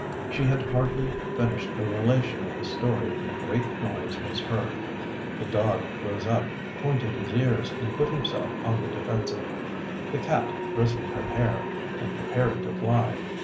She had hardly finished the relation of this story when a great noise was heard. The dog rose up, pointed his ears, and put himself on the defensive. The cat bristled her hair and prepared to fly.